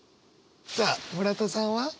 さあ村田さんは？